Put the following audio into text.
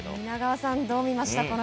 皆川さんどう見ました